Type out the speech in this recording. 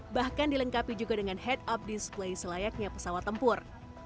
bahkan dilengkapi juga dengan head up display selayaknya pesawat tempur